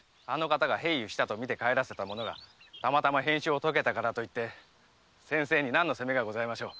平癒したと見て帰らせた者がたまたま変死したからといって先生に何の責めがございましょう。